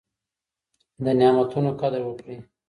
د نعمتونو قدر وکړئ.